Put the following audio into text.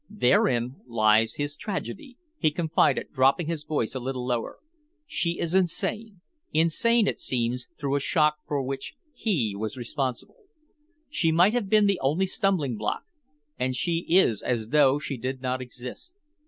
"Therein lies his tragedy," he confided, dropping his voice a little lower. "She is insane insane, it seems, through a shock for which he was responsible. She might have been the only stumbling block, and she is as though she did not exist."